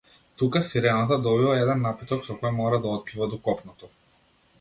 Тука сирената добива еден напиток со кој мора да отплива до копното.